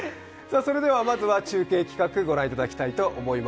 まずは中継企画、ご覧いただきたいと思います。